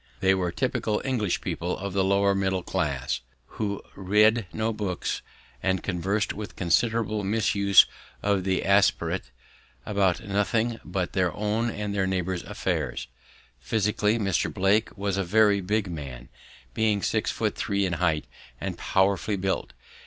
They were typical English people of the lower middle class, who read no books and conversed, with considerable misuse of the aspirate, about nothing but their own and their neighbours' affairs. Physically Mr. Blake was a very big man, being six feet three in height and powerfully built.